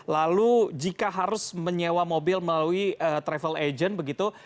lalu jika harus menyewa mobil melalui travel agent begitu